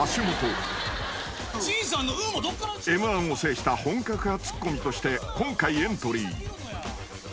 ［Ｍ−１を制した本格派ツッコミとして今回エントリー］